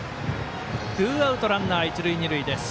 ツーアウト、ランナー一塁二塁です。